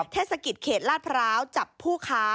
เทศกิจเขตลาดพร้าวจับผู้ค้า